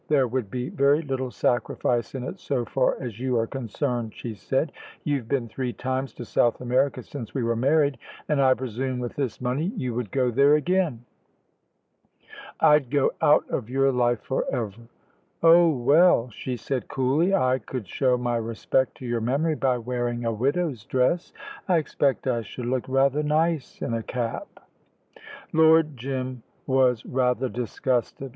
"There would be very little sacrifice in it so far as you are concerned," she said. "You've been three times to South America since we were married, and I presume with this money you would go there again." "I'd go out of your life for ever." "Oh, well," she said coolly; "I could show my respect to your memory by wearing a widow's dress. I expect I should look rather nice in a cap." Lord Jim was rather disgusted.